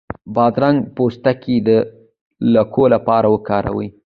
د بادرنګ پوستکی د لکو لپاره وکاروئ